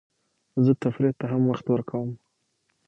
زه تفریح ته هم وخت ورکوم.